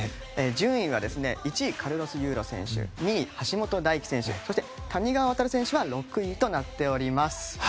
順位は１位、カルロス・ユーロ２位、橋本大輝選手そして谷川航選手は６位となっております。